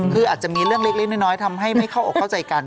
คืออาจจะมีเรื่องเล็กน้อยทำให้ไม่เข้าอกเข้าใจกัน